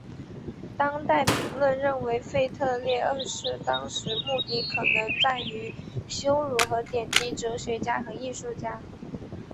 当代评论认为腓特烈二世当时目的可能在于羞辱和贬低哲学家和艺术家。